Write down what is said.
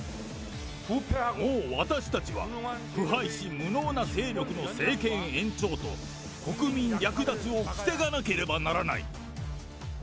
もう私たちは、腐敗し、無能な勢力の政権延長と、国民略奪を防がなければならない。